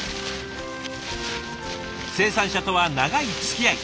生産者とは長いつきあい。